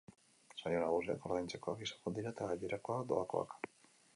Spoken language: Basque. Saio nagusiak ordaintzekoak izango dira eta gainerakoak, doakoak.